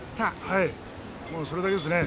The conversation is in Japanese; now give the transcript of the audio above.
はい、それだけですね。